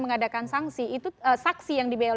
mengadakan saksi itu saksi yang dibiarkan